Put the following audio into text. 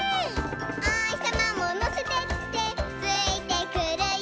「おひさまものせてってついてくるよ」